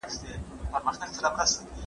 بشر خپل ذهن له ليدو وړ موجوداتو سره پرتله کوي.